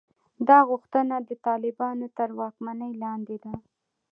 دا غوښتنه د طالبانو تر واکمنۍ لاندې ده.